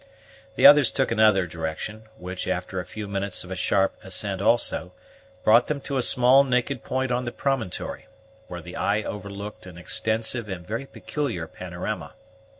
The others took another direction, which, after a few minutes of a sharp ascent also, brought them to a small naked point on the promontory, where the eye overlooked an extensive and very peculiar panorama.